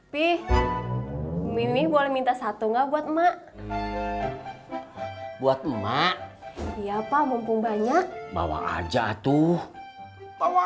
pih pih boleh minta satu nggak buat mak buat emak iya pak mumpung banyak bawa aja tuh bawa